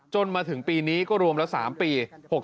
มาถึงปีนี้ก็รวมแล้ว๓ปี